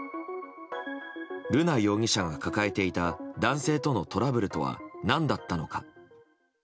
瑠奈容疑者が抱えていた男性とのトラブルとは何だったのか。